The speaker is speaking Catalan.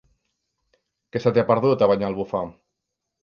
Què se t'hi ha perdut, a Banyalbufar?